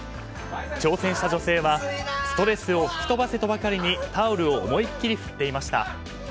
挑戦した女性はストレスを吹き飛ばせとばかりにタオルを思いっきり振っていました。